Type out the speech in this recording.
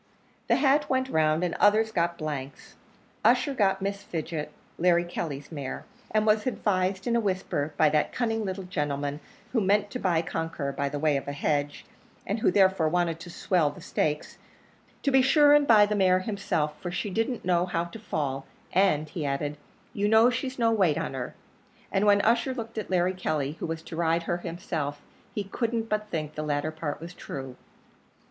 The hat went round, and others got blanks. Ussher got Miss Fidget, Larry Kelly's mare, and was advised in a whisper by that cunning little gentleman who meant to buy Conqueror by way of a hedge, and who therefore wanted to swell the stakes to be sure and buy the mare himself, for she didn't know how to fall; "and," he added, "you know she's no weight on her;" and when Ussher looked at Larry Kelly, who was to ride her himself, he couldn't but think the latter part was true.